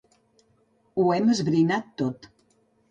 Ho hem esbrinat tot.